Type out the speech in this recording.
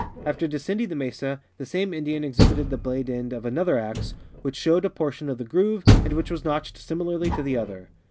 After descending the mesa the same Indian exhibited the blade end of another ax which showed a portion of the groove and which was notched similarly to the other.